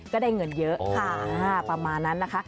ก็ได้เงินเยอะประมาณนั้นนะคะ